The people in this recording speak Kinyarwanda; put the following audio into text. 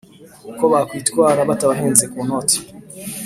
uko bakwitwara bitabahenze ku noti